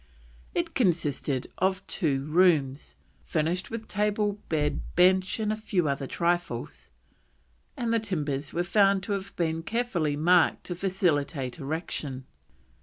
It consisted of two rooms, furnished with table, bed, bench, and a few other trifles, and the timbers were found to have been carefully marked to facilitate erection.